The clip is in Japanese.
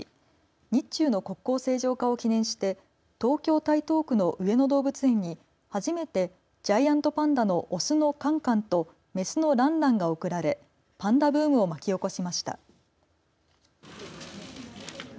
日中の国交正常化を記念して東京、台東区の上野動物園に初めてジャイアントパンダの雄のカンカンと雌のランランが贈られパンダブームを巻き起こしました。